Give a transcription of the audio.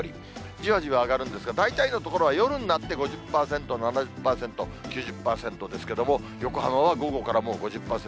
じわじわ上がるんですが、大体の所は夜になって５０％、７０％、９０％ですけども、横浜は午後からもう５０％。